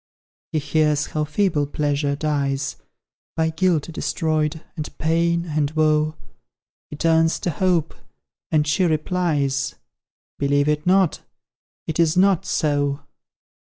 He hears how feeble Pleasure dies, By guilt destroyed, and pain and woe; He turns to Hope and she replies, "Believe it not it is not so!"